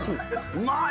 うまい！